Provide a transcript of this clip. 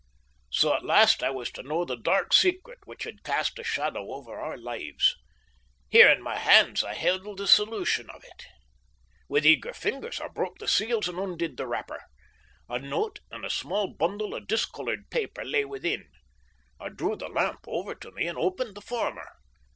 So at last I was to know the dark secret which had cast a shadow over our lives. Here in my hands I held the solution of it. With eager fingers I broke the seals and undid the wrapper. A note and a small bundle of discoloured paper lay within. I drew the lamp over to me and opened the former.